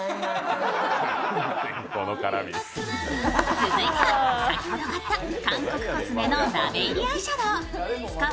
続いては先ほど買った韓国コスメのラメ入りアイシャドウ。